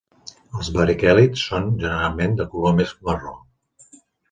Els bariquèlids són, generalment, de color més marró.